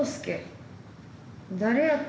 誰やっけ？